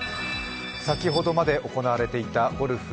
先ほどまで行われていたゴルフ